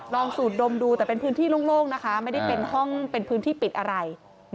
ลองสูตรดมดูแต่เป็นพื้นที่โล่งนะคะไม่ได้เป็นพื้นที่ปิดอะไร